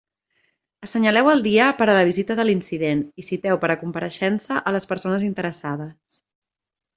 Assenyaleu el dia per a la vista de l'incident i citeu per a compareixença a les persones interessades.